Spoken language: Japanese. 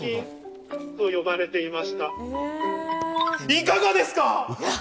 いかがですか！